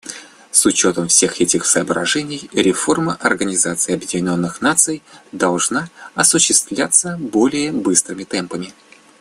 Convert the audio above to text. С учетом всех этих соображений реформа Организации Объединенных Наций должна осуществляться более быстрыми темпами.